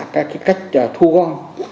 các cái cách thu gom